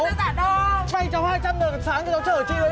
vay cháu hai trăm linh đồng sáng cho cháu chở chị ấy